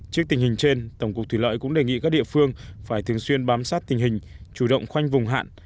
trước tình hình trên tổng cục thủy lợi cũng đề nghị các địa phương phải thường xuyên bám sát tình hình chủ động khoanh vùng hạn